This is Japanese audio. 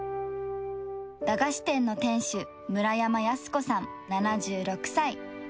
駄菓子店の店主、村山保子さん７６歳。